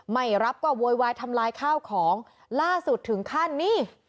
ไม่รับก็โวยวายทำลายข้าวของล่าสุดถึงขั้นนี่